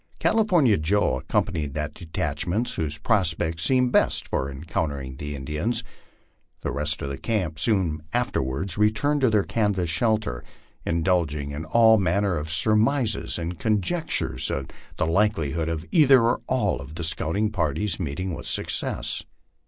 California Joe accompanied that de tachment whose prospects seemed best of encountering the Indians. The rest of the camp soon afterward returned to their canvas shelter, indulging in all manner of surmises and conjectures as to the likelihood of either or all of the scouting parties meeting with success.